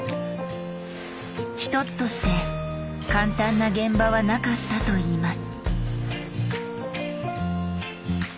一つとして簡単な現場はなかったといいます。